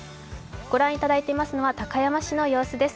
御覧いただいていますのは高山市の様子です。